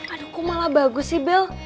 aduh malah bagus sih bel